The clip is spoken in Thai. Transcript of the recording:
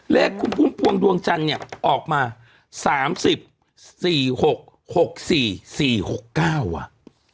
เลขคุณปุ้งปวงดวงจันทร์เนี่ยออกมาสามสิบสี่หกหกสี่สี่หกเก้าอ่ะ